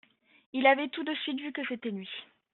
Il avait tout de suite vu que c’était lui.